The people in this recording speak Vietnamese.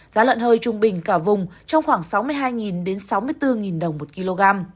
giá lợn hơi trung bình cả vùng trong khoảng sáu mươi hai sáu mươi bốn đồng một kg